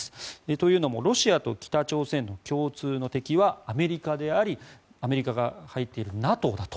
というのもロシアと北朝鮮の共通の敵はアメリカでありアメリカが入っているＮＡＴＯだと。